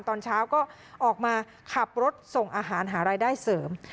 ตอนเช้าก็ออกมาขับรถส่งอาหารหารายได้เสริม